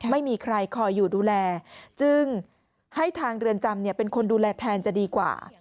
ไม่มีใครคอยอยู่ดูแลจึงให้ทางเรือนจำเป็นคนดูแลแทนจะดีกว่า